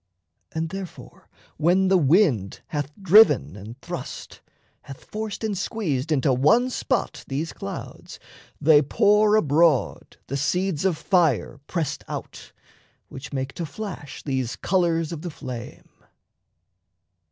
And therefore, when the wind hath driven and thrust, Hath forced and squeezed into one spot these clouds, They pour abroad the seeds of fire pressed out, Which make to flash these colours of the flame.